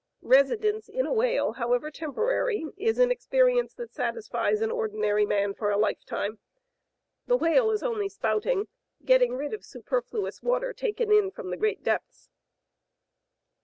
Residence in a whale, however temporary, is an experience that satisfies an ordinary man for a lifetime. The whale is only spouting, getting rid of superfluous water taken in from the great depths."